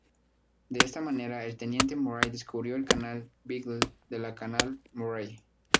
De esta manera el teniente Murray descubrió el canal Beagle y el canal Murray.